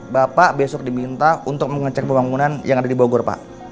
bapak besok diminta untuk mengecek pembangunan yang ada di bogor pak